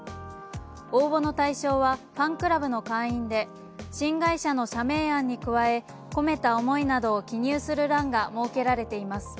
応募の対象はファンクラブの会員で新会社の社名案に加え込めた思いなどを記入する欄が設けられています。